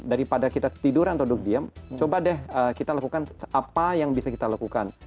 daripada kita tiduran atau duduk diam coba deh kita lakukan apa yang bisa kita lakukan